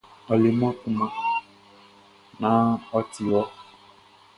Ɔ leman kunman naan ɔ ti wɔ.